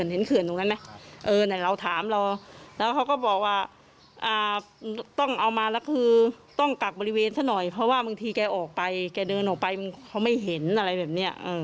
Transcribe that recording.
ไหนถ้าเค้าออกไปมึงแกเดินออกไปไม่เห็นอะไรแบบเนี้ย